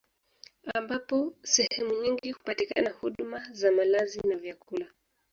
Ambapo sehemu nyingi hupatikana huduma za malazi na vyakula